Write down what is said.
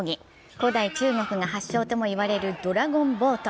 古代中国が発祥ともいわれるドラゴンボート。